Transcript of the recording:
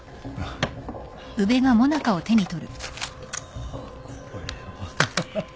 おこれはハハハ。